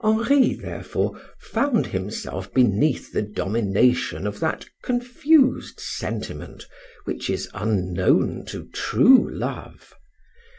Henri, therefore, found himself beneath the domination of that confused sentiment which is unknown to true love.